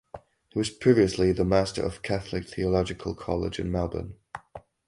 He was previously the master of Catholic Theological College in Melbourne.